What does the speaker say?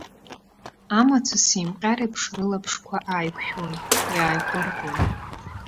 Амацәыс еимҟьареиԥш рылаԥшқәа ааиқәшәон, иааиҟәыргон.